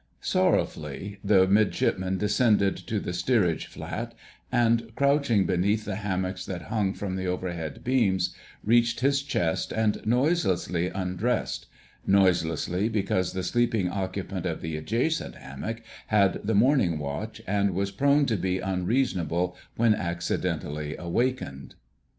Sorrowfully the Midshipman descended to the steerage flat, and crouching beneath the hammocks that hung from the overhead beams, reached his chest and noiselessly undressed,—noiselessly, because the sleeping occupant of the adjacent hammock had the morning watch, and was prone to be unreasonable when accidentally awakened.